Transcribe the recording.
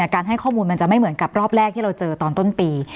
การให้ข้อมูลมันจะไม่เหมือนกับรอบแรกที่เราเจอตอนต้นปี